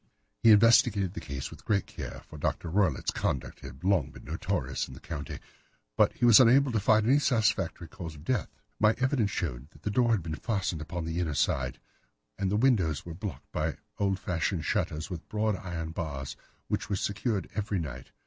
"He investigated the case with great care, for Dr. Roylott's conduct had long been notorious in the county, but he was unable to find any satisfactory cause of death. My evidence showed that the door had been fastened upon the inner side, and the windows were blocked by old fashioned shutters with broad iron bars, which were secured every night.